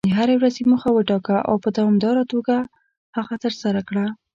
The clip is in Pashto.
د هرې ورځې موخه وټاکه، او په دوامداره توګه هغه ترسره کړه.